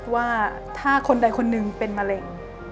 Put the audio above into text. ว่าถ้าคนใดคนหนึ่งเป็นมะเร็ง